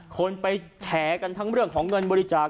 คนไปแฉกันทั้งเรื่องของเงินบริจาค